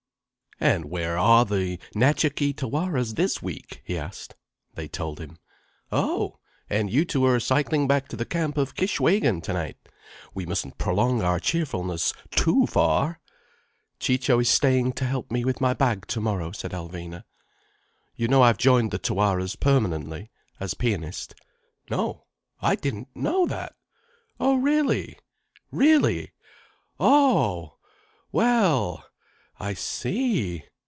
"And where are the Natcha Kee Tawaras this week?" he asked. They told him. "Oh? And you two are cycling back to the camp of Kishwégin tonight? We mustn't prolong our cheerfulness too far." "Ciccio is staying to help me with my bag tomorrow," said Alvina. "You know I've joined the Tawaras permanently—as pianist." "No, I didn't know that! Oh really! Really! Oh! Well! I see!